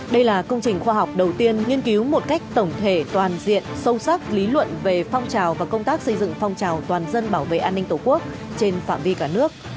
đây là công trình khoa học đầu tiên nghiên cứu một cách tổng thể toàn diện sâu sắc lý luận về phong trào và công tác xây dựng phong trào toàn dân bảo vệ an ninh tổ quốc trên phạm vi cả nước